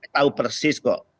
tahu persis kok